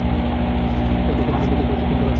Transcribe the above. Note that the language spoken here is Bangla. পর্যাপ্ত কম্বল আছে তো?